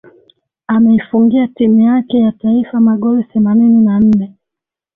Ameifungia timu yake ya taifa magoli themanini na nne